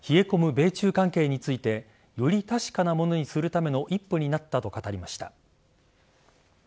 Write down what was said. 米中関係についてより確かなものにするための一歩になったと語りました。